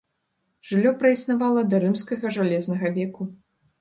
Жыллё праіснавала да рымскага жалезнага веку.